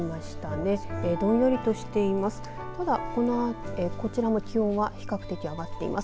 ただ、こちらも気温は比較的上がっています。